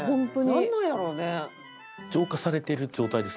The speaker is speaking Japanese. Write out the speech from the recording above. なんなんやろうね？